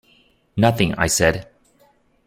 "Nothing," I said.